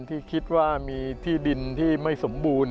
ที่คิดว่ามีที่ดินที่ไม่สมบูรณ์